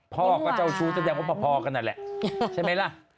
พ่อก็เจ้าชู้แสดงว่าพอกันนั่นแหละใช่ไหมล่ะ